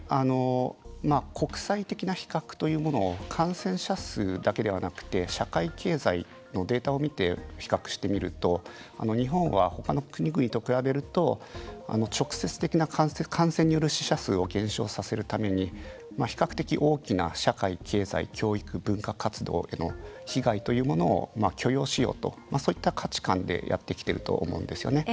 国際的な比較というものを感染者数だけではなくて社会経済のデータを見て比較してみると日本は、ほかの国々と比べると直接的な感染による死者数を減少させるために比較的大きな社会、経済教育、文化活動での被害というものを許容しようとそういった価値観でやってきていると思うんですよね。